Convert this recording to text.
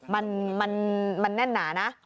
มันแน่นหนานะ